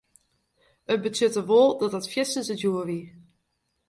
It betsjutte wol dat dat fierste djoer wie.